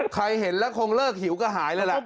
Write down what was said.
เห็นแล้วคงเลิกหิวก็หายแล้วล่ะ